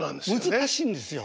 難しいんですよ。